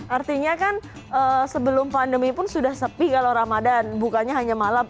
artinya kan sebelum pandemi pun sudah sepi kalau ramadan bukannya hanya malam